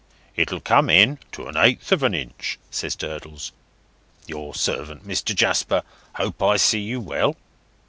"It'll come in to a eighth of a inch," says Durdles. "Your servant, Mr. Jasper. Hope I see you well."